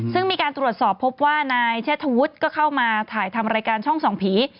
ซึ่งมีการตรวจสอบพบว่านายเชษฐวุฒิก็เข้ามาถ่ายทำรายการช่องส่องผี